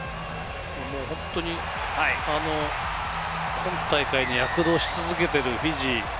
本当に今大会で躍動し続けるフィジー。